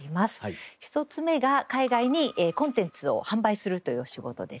１つ目が海外にコンテンツを販売するというお仕事です。